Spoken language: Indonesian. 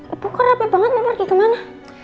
ibu kerap banget mau pergi kemana